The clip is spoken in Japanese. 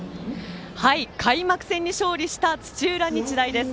開幕戦に勝利した土浦日大です。